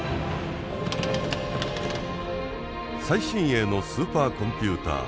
最新鋭のスーパーコンピューター